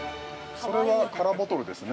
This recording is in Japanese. それは空ボトルですね。